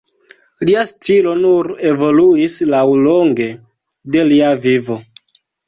Lia stilo nur evoluis laŭlonge de lia vivo.